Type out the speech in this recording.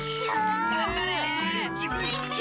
よし！